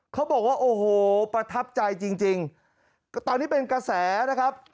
เขาบอกว่าโอ้โหประทับใจจริงจริงตอนนี้เป็นกระแสนะครับ